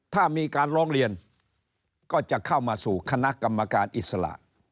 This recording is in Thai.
ถ้ามีการร้องเรียนก็จะเข้ามาสู่คณะกรรมการอิสระ